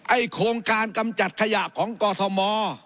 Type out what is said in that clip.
โครงการกำจัดขยะของกอทม